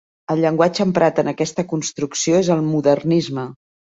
El llenguatge emprat en aquesta construcció és el modernisme.